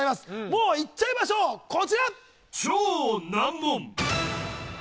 もういっちゃいましょう、こちら。